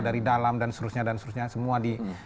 dari dalam dan seluruhnya semua di